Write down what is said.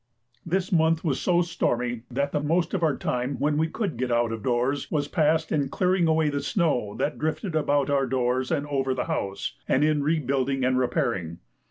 This month was so stormy that the most of our time when we could get out of doors was passed in clearing away the snow that drifted about our doors and over the house, and in rebuilding and repairing.